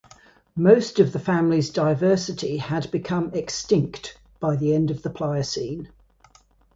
Most of the family's diversity had become extinct by the end of the Pliocene.